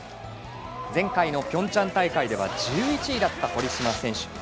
前回のピョンチャン大会では１１位だった堀島選手。